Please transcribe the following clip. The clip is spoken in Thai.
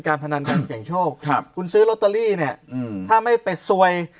การพนันการเสียงโชคครับคุณซื้อโรตเตอรี่เนี่ยถ้าไม่ไปซวย